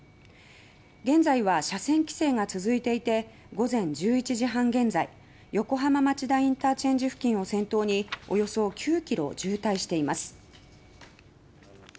現在は車線規制が続いていて午前１１時半現在横浜町田ＩＣ付近を先頭におよそ９ｋｍ渋滞しています。